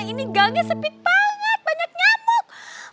ini gangnya sepik banget banyak nyamuk